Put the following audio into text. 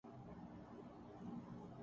پاپا کو اِس بارے میں مت بتاؤ۔